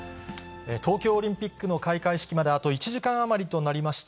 東京オリンピックの開会式まであと１時間余りとなりました。